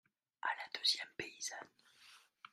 A la deuxième paysanne.